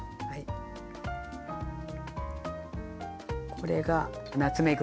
これがナツメグ。